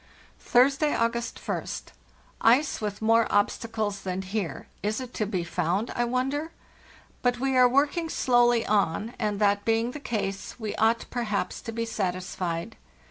"Thursday, August ist. Ice with more obstacles than here—is it to be found, I wonder? But we are working slowly on, and, that being the case, we ought, perhaps, to be satisfied.